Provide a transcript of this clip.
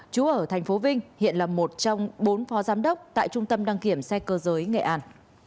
chú ở tp vinh hiện là một trong bốn phó giám đốc tại trung tâm đăng kiểm xe cơ giới nghệ an